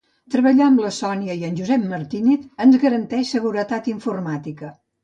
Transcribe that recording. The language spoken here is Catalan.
Treballar amb la Sònia i en Josep Martínez ens garanteix seguretat informàtica.